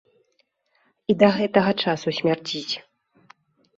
І да гэтага часу смярдзіць.